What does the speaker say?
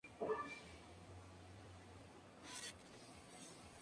Esto se conoce como "lobby de poder".